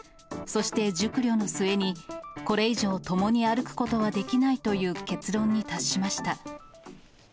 そして、熟慮の末に、これ以上、共に歩くことはできないという結論に達しました。